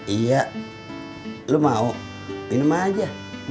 iya lo mau minum aja